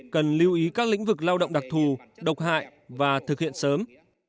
cần lưu ý các lĩnh vực lao động đặc thù độc hại và thực hiện sớm